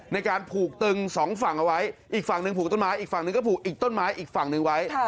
ในการผูกตึงสองฝั่งเอาไว้อีกฝั่งหนึ่งผูกต้นไม้อีกฝั่งหนึ่งก็ผูกอีกต้นไม้อีกฝั่งหนึ่งไว้